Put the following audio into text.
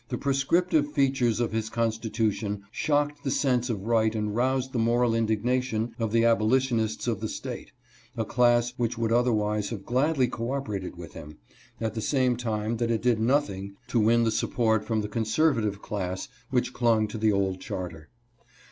The proscriptive features of his constitution shocked the sense of right and roused the moral indigna tion of the abolitionists of the State, a class which would otherwise have gladly co operated with him, at the same time that it did nothing to win support from the conserv ative class which clung to the old charter.